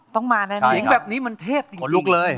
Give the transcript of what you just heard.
ต้องมาแน่นอนใช่ครับเสียงแบบนี้มันเทพจริงจริงขนลุกเลย